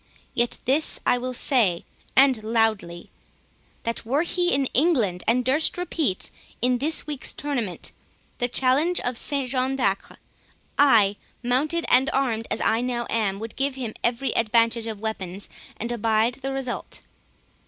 —Yet this will I say, and loudly—that were he in England, and durst repeat, in this week's tournament, the challenge of St John de Acre, I, mounted and armed as I now am, would give him every advantage of weapons, and abide the result."